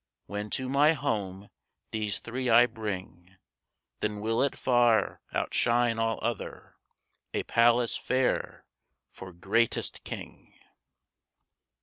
When to my home these three I bring, Then will it far outshine all other, A palace fair for greatest king!